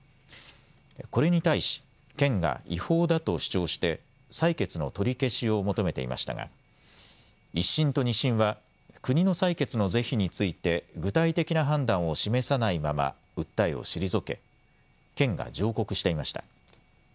これに対し県が違法だと主張して裁決の取り消しを求めていましたが１審と２審は国の裁決の是非について具体的な判断を示さないまま訴えを退け県が上告していました。